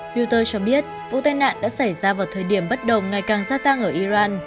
puter cho biết vụ tai nạn đã xảy ra vào thời điểm bất đồng ngày càng gia tăng ở iran